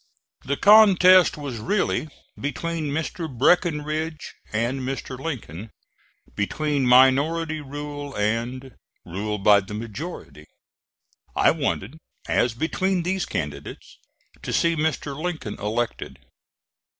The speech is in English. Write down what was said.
The contest was really between Mr. Breckinridge and Mr. Lincoln; between minority rule and rule by the majority. I wanted, as between these candidates, to see Mr. Lincoln elected.